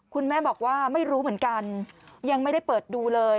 คุณแม่บอกว่าไม่รู้เหมือนกันยังไม่ได้เปิดดูเลย